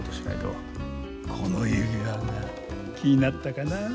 この指輪が気になったかな。